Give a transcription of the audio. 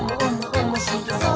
おもしろそう！」